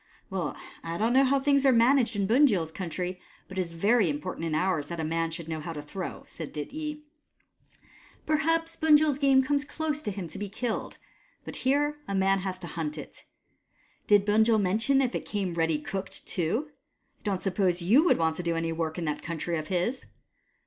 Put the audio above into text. " Well, I don't know how things are managed in Bunjil's country, but it is very important in ours that a man should know how to throw," said Dityi. " Perhaps Bunjil's game comes close to him to be killed, but here a man has to hunt it. Did Bunjil mention if it came ready cooked too ? I don't suppose you would want to do any work in that country of his